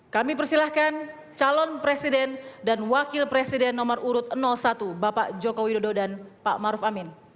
kami persilahkan calon presiden dan wakil presiden nomor urut satu bapak joko widodo dan pak maruf amin